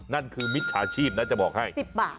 นั่นคือมิจฉาชีพนะจะบอกให้๑๐บาท